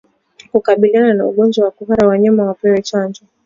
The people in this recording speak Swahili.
Kukabiliana na ugonjwa wa kuhara wanyama wapewe chanjo